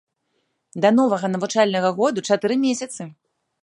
Да новага навучальнага году чатыры месяцы!